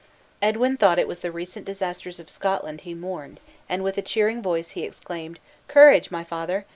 Edwin thought it was the recent disasters of Scotland he mourned; and with a cheering voice he exclaimed, "Courage, my father!